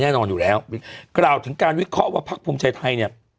แน่นอนอยู่แล้วกล่าวถึงการวิเคราะห์ว่าพักภูมิใจไทยเนี่ย